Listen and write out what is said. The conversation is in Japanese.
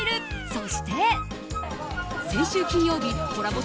そして先週金曜日コラボ